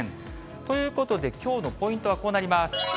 ということで、きょうのポイントはこうなります。